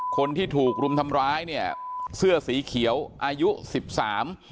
คนที่ถูกรุมทำร้ายเนี่ยเสื้อสีเขียวอายุสิบสาม